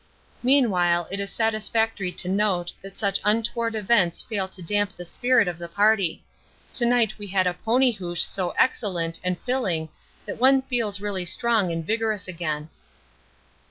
Meanwhile it is satisfactory to note that such untoward events fail to damp the spirit of the party. To night we had a pony hoosh so excellent and filling that one feels really strong and vigorous again.